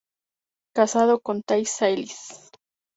Casado con Thais celis.